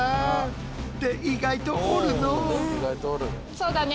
そうだね。